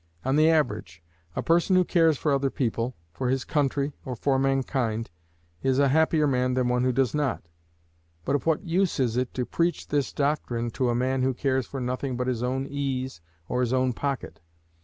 On the average, a person who cares for other people, for his country, or for mankind, is a happier man than one who does not; but of what use is it to preach this doctrine to a man who cares for nothing but his own ease or his own pocket?